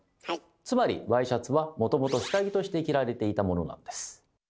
つまりワイシャツはもともと下着として着られていたものなんです。